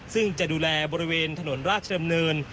ซึ่งจะดูแลบริเวณถนนราชดำเนิน